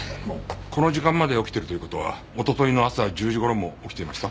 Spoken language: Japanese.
この時間まで起きてるという事は一昨日の朝１０時頃も起きていました？